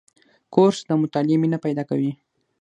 کورس د مطالعې مینه پیدا کوي.